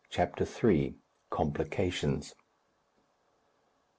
CHAPTER III. COMPLICATIONS.